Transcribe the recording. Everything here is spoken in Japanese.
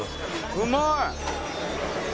うまい！